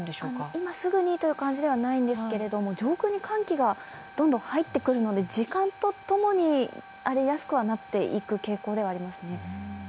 今すぐにという感じではないんですけれども上空に寒気がどんどん入ってくるので時間とともに荒れやすくはなっていく傾向ではありますね。